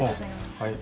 はい。